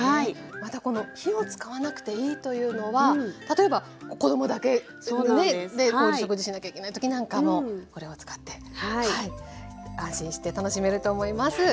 またこの火を使わなくていいというのは例えば子どもだけで食事しなきゃいけない時なんかもこれを使って安心して楽しめると思います。